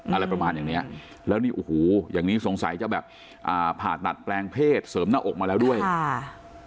อะไรประมาณอย่างเนี้ยแล้วนี่โอ้โหอย่างนี้สงสัยจะแบบอ่าผ่าตัดแปลงเพศเสริมหน้าอกมาแล้วด้วยค่ะ